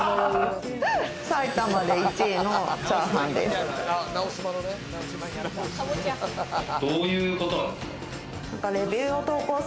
埼玉で１位のチャーハンです。